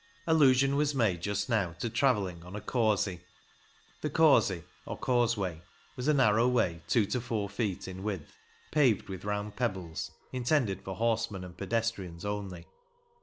Allusion was made just now to travelling on a " causey." The causey, or causeway, was a narrow way two to four feet in width, paved with round pebbles, intended for horsemen and pedestrians only.